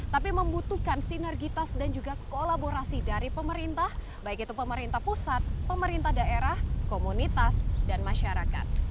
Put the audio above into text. tapi membutuhkan sinergitas dan juga kolaborasi dari pemerintah baik itu pemerintah pusat pemerintah daerah komunitas dan masyarakat